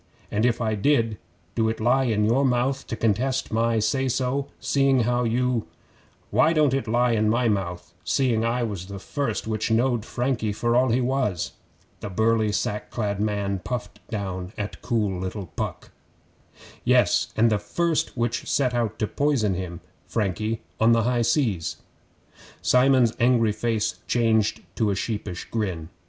'An' if I did, do it lie in your mouth to contest my say so, seeing how you ' 'Why don't it lie in my mouth, seeing I was the first which knowed Frankie for all he was?' The burly sack clad man puffed down at cool little Puck. 'Yes, and the first which set out to poison him Frankie on the high seas ' Simon's angry face changed to a sheepish grin.